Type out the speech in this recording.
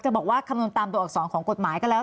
บอกว่าคำนวณตามตัวอักษรของกฎหมายก็แล้ว